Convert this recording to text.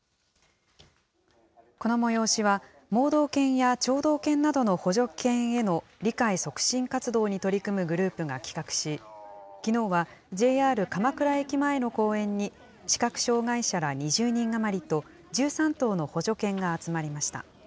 この催しは、盲導犬や聴導犬などの補助犬への理解促進活動に取り組むグループが企画し、きのうはＪＲ鎌倉駅前の公園に、視覚障害者ら２０人余りと、１３頭の補助犬が集まりました。